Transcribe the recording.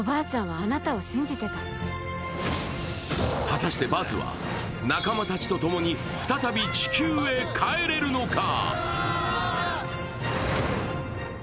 果たしてバズは、仲間たちと共に再び地球へ帰れるのか？